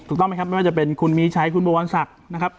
ถูกต้องไหมครับไม่ว่าจะเป็นคุณมีชัยคุณบวรศักดิ์นะครับ